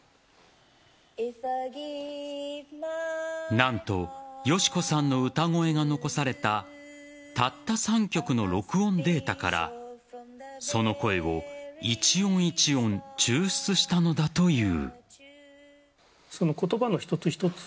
何と敏子さんの歌声が残されたたった３曲の録音データからその声を一音一音、抽出したのだという。